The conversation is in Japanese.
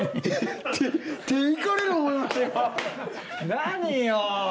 何よ！